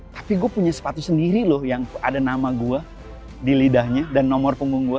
tapi gue punya sepatu sendiri loh yang ada nama gue di lidahnya dan nomor punggung gue